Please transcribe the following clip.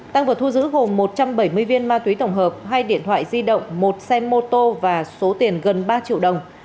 tăng vật thu giữ gồm một trăm bảy mươi viên ma túy tổng hợp hai điện thoại di động một xe mô tô và số tiền gần ba triệu đồng